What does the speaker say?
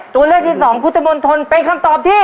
ตัวเลือกที่สองพุทธมนตรเป็นคำตอบที่